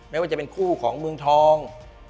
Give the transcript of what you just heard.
ไม่ว่าจะเป็นคู่ของเมืองทอง